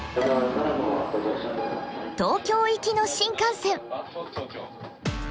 東京行きの新幹線。